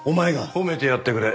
褒めてやってくれ。